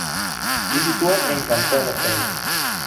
Ĝi situas en kantono Kent.